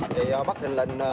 thì bắt thịnh lệnh